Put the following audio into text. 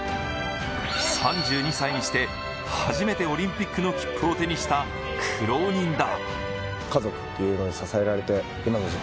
３２歳にして初めてオリンピックの切符を手にした苦労人だ。